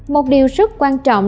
một điều rất quan trọng